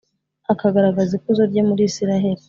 akagaragaza ikuzo rye muri israheli.